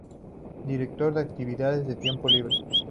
Director de Actividades de Tiempo Libre.